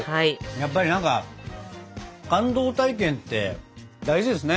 やっぱり何か感動体験って大事ですね。